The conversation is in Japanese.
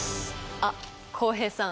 あっ浩平さん。